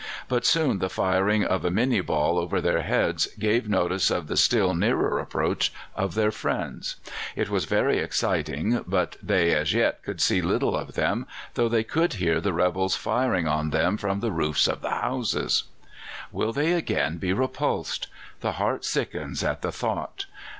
But soon the firing of a minie ball over their heads gave notice of the still nearer approach of their friends. It was very exciting, but they as yet could see little of them, though they could hear the rebels firing on them from the roofs of the houses. Will they again be repulsed? The heart sickens at the thought.